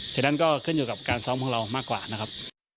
ฉะนั้นก็ขึ้นอยู่กับการซ้อมของเรามากกว่านะครับ